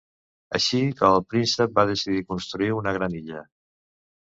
Així que el príncep va decidir construir una gran illa.